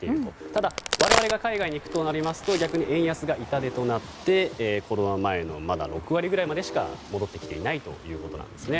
ただ、我々が海外に行くとなりますと逆に円安が痛手となってコロナ前の６割ぐらいまでしか戻ってきていないということですね。